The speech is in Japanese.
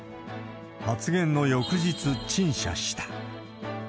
発言の翌日、陳謝した。